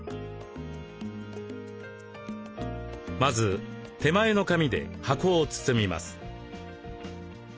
まず手前の紙で箱を包みます。